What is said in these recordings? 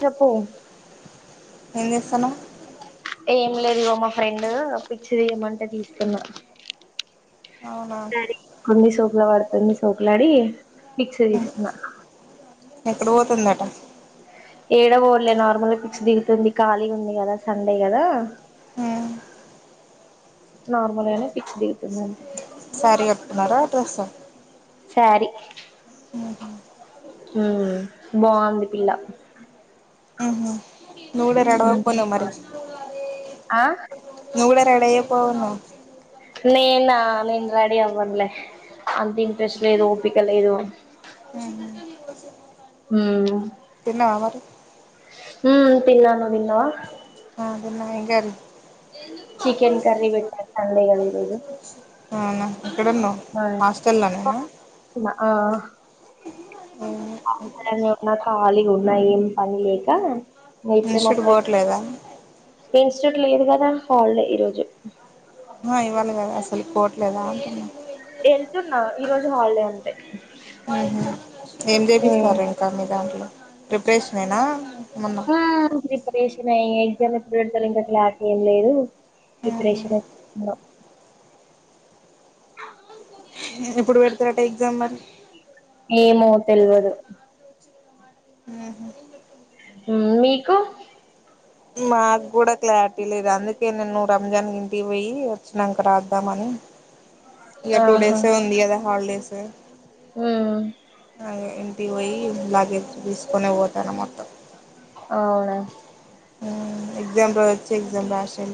చెప్పవే ఏం చేత్తనవ్ ఏం లేదు ఇగో మా ఫ్రెండ్ పిక్స్ తీయమంటే తీస్తున్నా అవునా వాడుత మీ సొకులాడి ఫిక్స తీస్తున్నా తందట ఏడవ ఓర్లే నార్మల్గా పిక్స్ దిగుతుంది ఖాళీ ఉంది కదా సండే కదా నార్మల్గానే పిస్క్ దిగుతుంది అంతగా సారీ చెప్తున్నారా అడ్రస్ సారీ బాగుంది పిల్ల నూల రడవప్పంద మరి ఆ నూల కడయి పోవను నేనా నేను రెడీ అవ్వనులే అంత ఇంట్రెస్ట్ లేదు ఓపిక లేదు హ్మ్ తిన్నవ మరి హ్మ్ తిన్నాను నువ్ తిన్నవా ఆ తిన్న ఎం కర్రి చికెన్ కర్ర పెట్టారు సండే కాదా ఈరొజు అవునా ఎక్కడున్నవ్ హాస్టల్లో నేనా ఆ ఆర ఉన్నా ఖాళీ ఉన్నా ఏం పని లేక ఇంగ ఇప్పుడే మా ఇన్సుటుట్ ఫ్రెండ్ పోవట్లేదా లేదు కాదా హలిడె ఈ రోజు నో [unintelligible] అళ్ పొవట్లెద ఉంటున్నా వెళ్తున్నా ఈ రోజు హాలిడే అంతే ఆహ ఏం హ్మ్ చేపిస్తారు ఇంకా మీ దాంట్లో ప్రిపరేషన్ నెనా మొన్న ఆ ప్రిపరేషన్ అయి ఎగ్జామ్ ఎప్పుడు పెత ఇంకా క్లరిటి ఏం లేదు ఊహూ ప్రిపరేషన్ అయి ఎప్పుడు పెడతారట ఎగ్జాం మరి ఏమో తెల్వదు ఊహూ మీకు మాకు కూడా క్లారిటీ లేద అందుకే రంజాన్ ఇంటికి పోయి వచ్చినాక రాద్దాం అని ఇద టూ ఆహా డెస్ ఏ ఉంది కద హాలిడేస్ స ఉమ్ అే ఇ పోయి లాగేజ్ తీసుకొనే పోతాను మొత్తం అవునా ఎగ్జామ్ రొజు వచ్చి ఎగ్జామ్ రాసి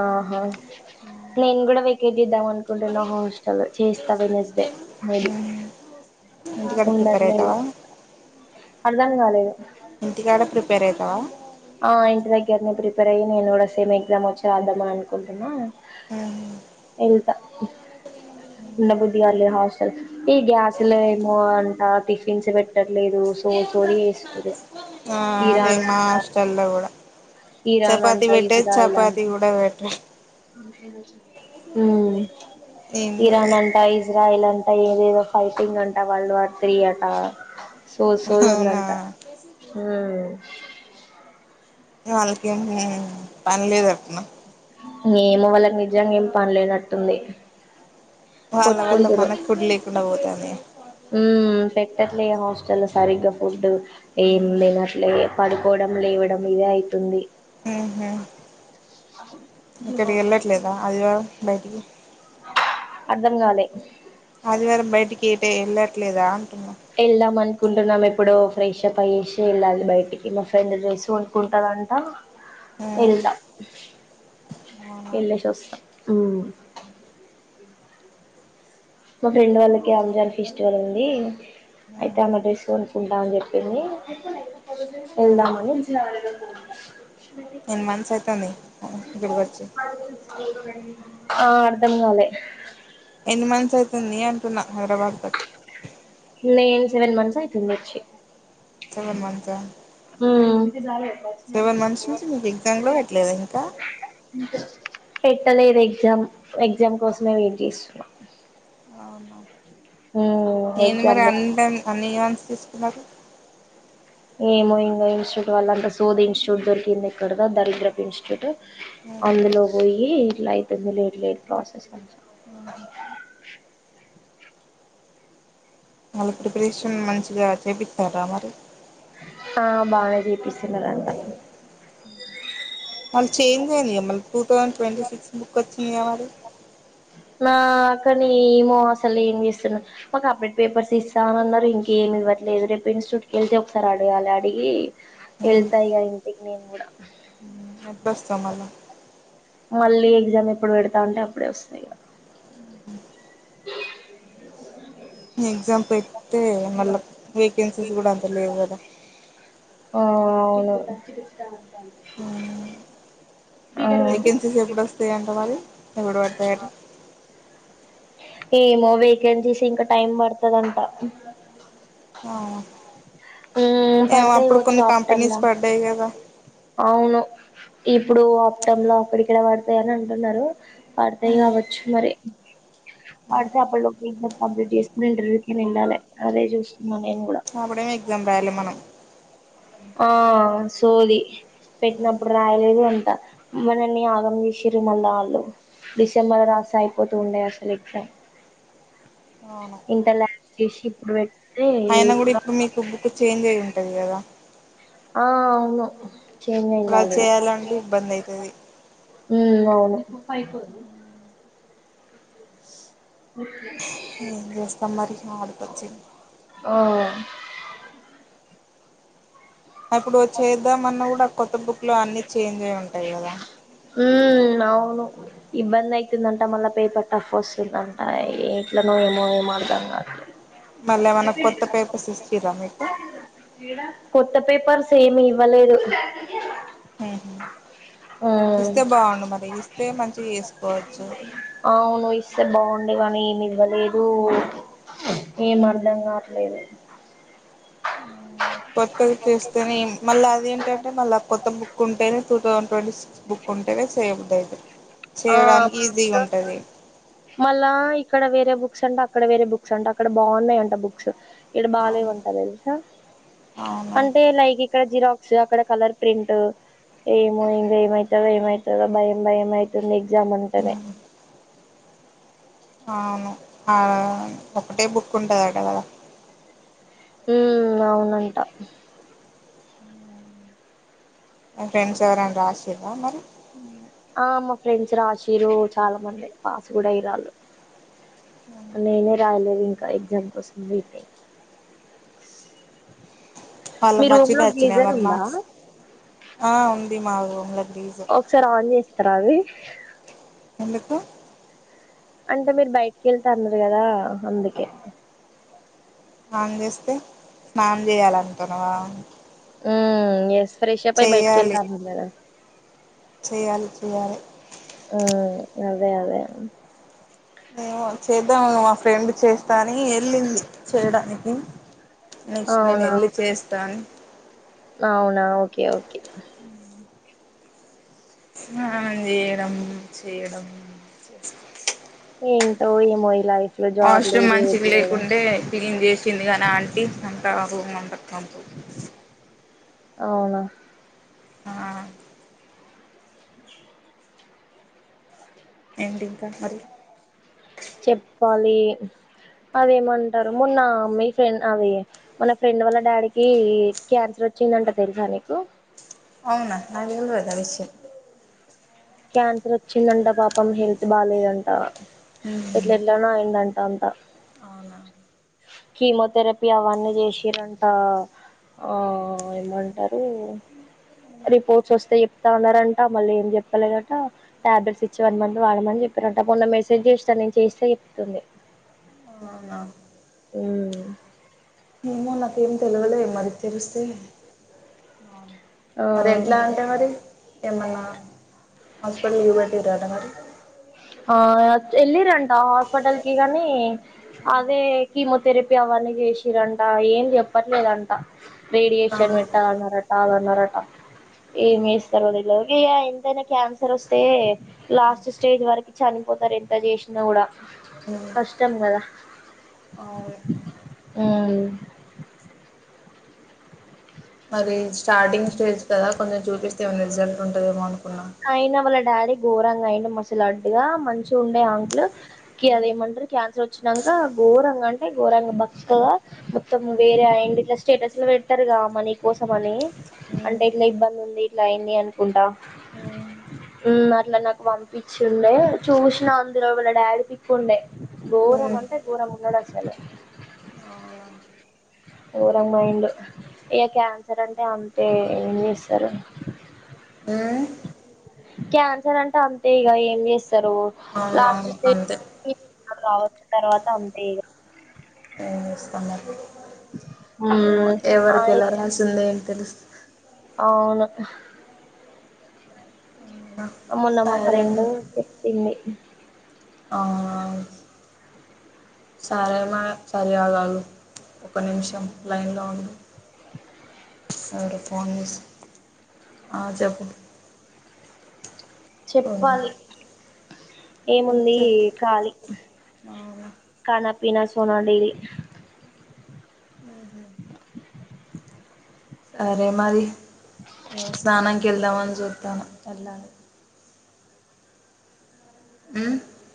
ఆహా నేను కూడా వెకేట్ ఇద్దాం అనుకుంటున్నా హాస్టల్ చేస్తా వెన్స్డే మెబి ఇంటికాడ ప్రిపేర్ ఉండట్లెదు అయితావా ఆదం గాలేదు ఇంటికాడ ప్రిపేర్ అయితవా ఆ ఇంటి దగ్గరనే ప్రిపేర్ అయ్యి నేను గూడ సేమ్ ఎగ్జామ్ వచ్చి రాద్దామని అనుకుంటున్నా ఏంత ఉండా బుద్ధిగాలే హాస్టల్ ఈ గ్యాస్ లే ఏమో అంట టిఫిన్స్ పెట్టట్లేదు సో సోది చేస్తుర్రు ఆ అదే ఇరాన్ మా అంట హాస్టల్ల గూడ ఇరాన్ చపాతి అంట పెట్టే ఇజ్రాయిల్ చపాతి గూడ పెట్టం హ్మ్ ఏందో ఇరాన్ ఇది అంటా ఇజ్రాయిలన్ టై ఏదేదో ఫైటింగ్ అంట వాళ్ళు ఆత్రి అట సోదు సోదు అవునా ఉందంట హ్మ్ వాళ్లకి ఏం పనిలేద తున్న ఏమో వాళ్ళకి నిజంగా ఏం పనిలేనట్టుంది వాళ్ల వల్ల మనకు ఫుడ్ లేకుండా పోతాది అే హ్మ్ పెట్టట్లే హాస్టలో సరిగ్గా ఫుడ్ ఏం తినట్లే పడుకోవడం లేవడం ఇదే అయితుంది ఇక్కడి వెళ్ళట్లేదా ఆదివారం బయటికి అర్ధం గాలే ఆదివారం బయటకి ఎట్ టే వెళ్ళట్లేదా అంటున్నా వెళ్దాం మన్క్ కుంటున్నాం ఎప్పుడో ఫ్రెష్ అప్ అయ్యేసి వెళ్ళాలి బయటికి మా ఫ్రెండ్ డ్రెస్ కొనుకుంటందంటా వెళ్తా అవునా వెళ్ళేసి వస్తా హ్మ్ మా ఫ్రెండ్ వాళ్ళకి అంజాన్ ఫెస్టివల్ ఉంది అయితే ఆమె ఊహూ డ్రెస్ కొనుక్కుంటా అని చెప్పింది వెళ్దాం అని ఎన్ని మంత్స్ అయితాంది ఇక్కడికి వచ్చి ఆ అర్థం గాలే ఎన్ని మంత్స్ అయితుంది అంటున్నా హైదరాబాద్ కచ్ నేను సెవెన్ మంత్స్ అయితుంది వచ్చి సెవెన్ మంత్స్ ఆ ఇది జాలే సెవెన్ మంత్స్ నుంచి మీకు ఎగ్జామ్ గూడ పెట్టలేదా ఇంకా పెట్టలేదు ఎగ్జామ్ ఎగ్జామ్ కోసమే వెయిట్ చేస్తున్నా అవునా ఉమ్ ఏంది ఎగ్జామ్ మరి డే అంటం అన్ని ఏవన్స్ తీసుకున్నారు ఏమో ఇంగా ఇన్స్టిట్యూట్ వల్ల అంత సోది ఇన్స్టిట్యూట్ దొరికింది ఇక్కడదో దరిద్రపు ఇన్స్టిట్యూట్ అందులో వోయి ఇట్లా అయితుంది లేట్ లేదు ప్రాసెస్ అ వాళ్ళ ప్రిపరేషన్ మంచిగా చేపిత్తారా మరి ఆ బాగానే చేపిస్తున్నారు అంట మళ్ చేంజ్ అయిందిగా మళ్ టూ థౌజండ్ ట్వంటీ సిక్స్ ముక్క న్యవాదు నా కాని ఏమో అసలు ఏం చేస్తున్నా మాకు అపడేట్ పేపర్స్ ఇస్తా అని అన్నారు ఇంకేమి ఇవ్వట్లేదు రేపు ఇన్స్టిట్యూట్కి వెళ్తే ఒకసారి అడగాలి అడిగి ఎళ్తా ఇగ ఇంటికి నేను గూడా ఎప్పుడొస్తావ్ మళ్ళా మళ్ళీ ఎగ్జామ్ ఎప్పుడు పెడతా అంటే అప్పుడే వస్తా ఇగ ఎగ్జాంపే తే మళ్ళా వేకెన్సీస్ కూడా అంత లేవు గదా ఆ అవును వేకెన్సీస్ ఎప్పుడు వస్తాయింట మరి ఎప్పుడు పడతాయట ఏమో వేకెన్సీస్ ఇంకా టైం పడుతదంట మ్మ్ ఏం పడతాయి అప్పుడు కావచ్చు కొన్ని కంపెనీస్ ఆప్టంలా పడ్డాయి గదా అవును ఇప్పుడు ఆప్టమ్ లా అక్కడిక్కడ పడతాయిని అంటన్నారు పడతాయి గావచ్చు మరి పడితే అప్పల్లో కంప్లీట్ చేసుకుని ఇంటర్వ్యూ కేనా వెళ్ళాలే అదే జూస్తున్నా నేను కూడా వార్లే మనం ఆ సోది పెట్టినప్పుడు రాయలేదు అంట మమనని ఆగం చేసిర్రు మళ్ళ ఆళ్ళు డిసెంబర్ రాస్తే అయిపోతూ ఉండే అసలు ఎగ్జామ్ ఇంత లాగ్ చేసి ఇప్పుడు పె అయిన గూడా ఇప్పుడు మీకు బుక్కు చేంజ్ అయి ఉం టది గదా ఆ అవును చేంజ్ అయింది అలా ఆల్రెడీ చేయాలంటే ఇబ్బంది అయితది హ్మ్ అవును ఓకే జేస్తాం మరి నా ఆడిక వచ్చింది ఆ ఇప్పుడు చేద్దామన్న గూడా కొత్త బుక్ లో అన్ని చేంజ్ అయ్ ఉంటాయి గదా హ్మ్ అవును ఇబ్బంది అయితుందంట మళ్ళా పేపర్ టఫ్ వస్తుందంట ఎట్లనో ఏమో ఏమొ అర్ధంగాట్లే మళ్ళ ఎమన్నా కొత్త పేపర్స్ ఇచ్చిర్ర మీకు కొత్త పేపర్స్ ఏమి ఇవ్వలేదు హ్మ్ హు ఉమ్ ఇస్తే బాగుండు మరి ఇస్తే మంచిగా చేసుకోవచ్చు స్తే బాగుండే కాని ఏమి ఇవ్వలేదు ఏం అర్ధం గాట్లేదు కొత్తగా చేస్తేనే మళ్ళ అదేంటంటే మళ్ళా కొత్త బుక్ ఉంటేనే టూ థౌ ట్వంటీ సిక్స్ బుక్ ఉంటేనే చేయబుద్దయిత ఆ మళ్లా ఇక్కడ వేరే బుక్స్ అంట అక్కడ వేరే బుక్స్ అంట అక్కడ బాగున్నాయింట బుక్స్ ఇక్కడ అవును బాలేవంట తెలుసా అవునా అంటే లైక్ ఇక్కడ జిరాక్స్ అక్కడ కలర్ ప్రింట్ ఏమో ఇంగా ఏమైతదో ఏమైతదో భయం భయం అయి తుంది ఎగ్జామ్ అంటేనే అవును ఆ ఒకటే బుక్ ఉంటదట కదా ఉమ్, అవునంట. మి ఫ్రెండ్స్ ఎవరైనా రాసిర్రా మరి? ఆ మా ఫ్రెండ్స్ రాశిర్రు చాలా మంది, పాస్ కూడా అయ్యిరాళ్ళు. నేనే రాయలేదు ఇంకా, ఎగ్జామ్ కోసం వెయిటింగ్. మీ వాళ్ళకు రూమ్ లో మంచిగ్నే వచ్చినయా గీజర్ మరి ఉందా మార్క్స్? ఆ ఉంది మాగు ఒకసారి ఆన్ చేస్ ర్రవి ఎందుకు? అంటే మీరు బయటికెళ్త అన్నారు కదా, అందుకే! ఆన్ చేస్తే, స్నానం చేయాలంటన్నవా? ఉమ్, ఎస్ ఫ్రేషపై బయటికెళ్తే అవ్వదు కదా? చేయాలి చెయాలి. ఉమ్ అదే అదే. ఏమో చేద్దాము, మా ఫ్రెండ్ చేస్తాని ఏళ్ళింది చేయడానికి. నెక్స్ట్ అవునా నేనేళ్ళి చేస్తా అని. అవునా ఓకే ఓకే. ఆన్ చేయడం చేయడం. ఏంటో ఏమో ఇలాయిత్ వాష్రూము మంచిగ లేకుంటే? క్లీన్ చేసింది కానీ ఆంటీ, అంత రూమంత కంపు. అవునా! ఆ ఏంటి ఇంకా మరి? చెప్పాలి, అదేమంటారు మొన్న మీ ఫ్రెండ్ అది మన ఫ్రెండ్ వాళ్ళ డాడీకి, క్యాన్సర్ వచ్చిందంట తెలుసా నీకు? అవునా? నాకు తెల్వదు ఆ విషయం. క్యాన్సర్ వచ్చిందంట పాపం, హెల్త్ బాలేదంట. ఎట్లేట్లనో అయిండట్ అవునా కీమోథెరపీ అవన్నీ చేసిర్రంట. ఆ ఏమంటరు రిపోర్ట్స్ వస్తే చెప్తాన్నారంట, మళ్ళీ ఏం చెప్ చెప్పలేదట, టాబ్లెట్స్ ఇచ్చి వన్ మంత్ వాడమని చెప్పిరంట మొన్న మెసేజ్ చేస్నా నేను చేస్తే చెప్తుంది. అవునా ఉమ్ మో నాకేం తేల్వలే మరి తెలుస్తే ఆ మరి ఎట్లా అంటే మరి? ఏమన్నా? హాస్పిటల్ల చూపెట్టిరా అంట మరి? ఆ ఎల్లిరంట హాస్పిటల్ కి కాని, అదే కీమోథెరపీ అవన్నీ చేసిరంట. ఏం చెప్పట్లేదంట, రేడియేషన్ ఆహా పెట్టాలన్నరట, అదన్నారట. ఏమి చేస్తరో తెల్వదు. ఇగ ఎంతైనా క్యాన్సర్ వస్తే, లాస్ట్ స్టేజ్ వరకు చనిపోతరు ఎంత చేసినా కూడా, కష్టం కదా? అవును ఉమ్ అది స్టార్టింగ్ స్టేజ్ కదా, కొంచెం చూపిస్తే ఏమన్నా రిజల్ట్ ఉంటదేమోనుకోన్ అయినా వాళ్లడ్ డాడీ గోరంగా అయిడి మసలు అడ్డుగా మంచిగా ఉండే ఆంకులు క అదేమంటారు క్యాన్సర్ వచ్చినాక గోరంగ అంటే గోరంగ బక్కగా మొత్తం వేరే అయిడి ఇట్లా స్టేటస్ లో పెట్టారుగా మనీ కోసం అని అంటే ఉమ్, ఇట్లా ఇబ్బంది ఉంది ఇట్లా అయింది అనుకుంటా ఉమ్, అట్లా నాకు పంపించిండే చూసిన అందులో వాీళ్ళ డాడీ పిక్కు ఉండే ఘోరం అంటే ఘోరం ఉన్నాడు అసలు అవునా ఘోరం మైండ్ ఇక క్యాన్సర్ అంటే అంతే ఏం చేస్తారు ఉ క్యాన్సర్ అంటే అంతే ఇక ఏం చేస్త సరు లాస్ట్ అవునవును స్టే అంతే రావచ్చిన తర్వాత అంటే ఇక అస్త [unintelligible] మ్మ్ ఎవరికి అయి ఎలా రాసిందే తెలుస్ అవును అవునా? అమొన్నమ్మ సరే ఫ్రెండు పెట్టింది ఆ సరే మా సర అళను ఒక నిమిషం లైన్ లో ఉ రేపు ఫోన్ చేస్త అ చెప్పు అవునా చెప్పాలి ఏముంది ఖళి కనా పినా సోనా డైలీ సరే మరి ఏ స్నానానికి వెళ్దామని చెప్తాను ఏలా అని మ్